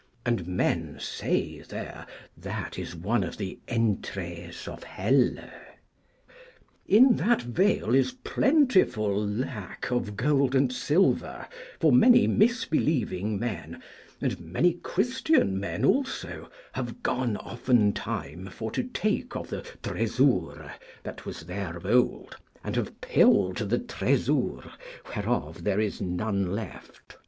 And men say there that is one of the entrees of Helle. In that Vale is plentiful lack of Gold and Silver, for many misbelieving men, and many Christian men also, have gone often time for to take of the Thresoure that there was of old, and have pilled the Thresoure, wherefore there is none left.